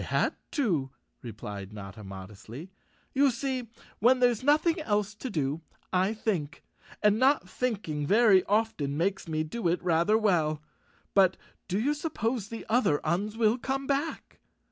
" I had to," replied Notta modestly. " You see, when there's nothing else to do I think, and not thinking very often makes me do it rather well. But do you suppose the other Uns will come back?"